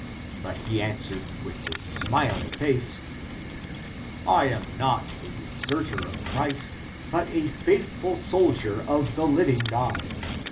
But he answered <with a smiling face> 3 " j ^m not a deserter of Christ, but a faithful soldier of the living God.